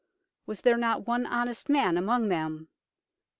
Was there not one honest man among them